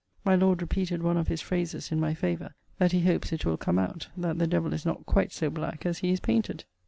My Lord repeated one of his phrases in my favour, that he hopes it will come out, that the devil is not quite so black as he is painted.